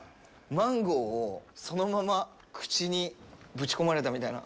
マンゴーをそのまま口にぶち込まれたみたいな。